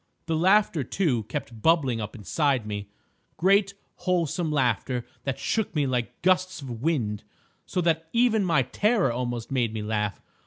The laughter, too, kept bubbling up inside me—great wholesome laughter that shook me like gusts of wind—so that even my terror almost made me laugh.